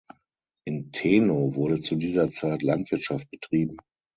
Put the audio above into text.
In Teno wurde zu dieser Zeit Landwirtschaft betrieben.